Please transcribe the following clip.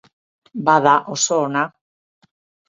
Bada, oso ona.